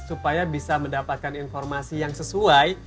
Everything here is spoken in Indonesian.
supaya bisa mendapatkan informasi yang sesuai